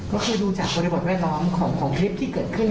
ก็คือดูจากบริบทแวดล้อมของคลิปที่เกิดขึ้น